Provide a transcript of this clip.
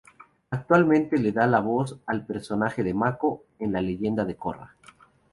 Actualmente le da la voz al personaje de Mako en "La Leyenda de Korra".